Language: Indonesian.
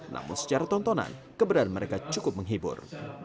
namun secara tontonan keberadaan mereka cukup menghibur